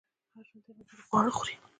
هر ژوندی موجود خواړه خوري